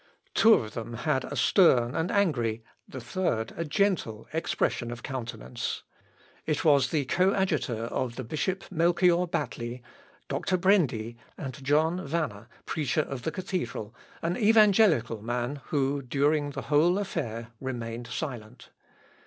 Two of them had a stern and angry, the third, a gentle expression of countenance. It was the coadjutor of the Bishop Melchior Battli, Doctor Brendi, and John Vanner, preacher of the cathedral, an evangelical man who, during the whole affair, remained silent.